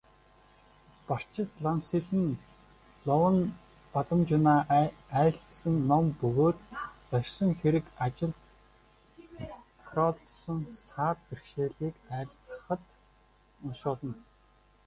Барчидламсэл нь Ловонбадамжунайн айлдсан ном бөгөөд зорьсон хэрэг ажилд тохиолдсон саад бэрхшээлийг арилгахад уншуулна.